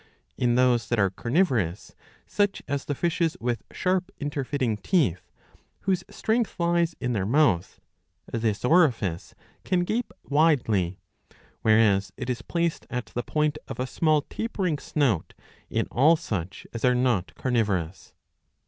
In those that are carnivorous, such as the fishes ^° with sharp inter fitting teeth, whose strength lies in their mouth, this orifice can gape widely, whereas it is placed at the point of a small tapering snout in all such as are not carnivorous.